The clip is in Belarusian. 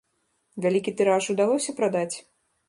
Вялікі тыраж удалося прадаць?